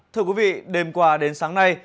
thưa quý vị đêm qua đến sáng nay